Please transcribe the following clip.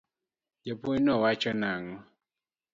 Japuonj no wacho nang'o?